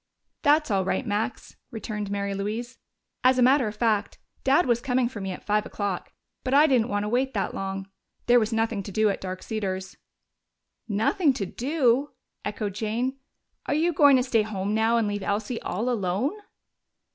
"That's all right, Max," returned Mary Louise. "As a matter of fact, Dad was coming for me at five o'clock, but I didn't want to wait that long. There was nothing to do at Dark Cedars." "Nothing to do?" echoed Jane. "Are you going to stay home now and leave Elsie all alone?"